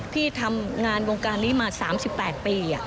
พี่ทำงานวงการนี้มา๓๘ปี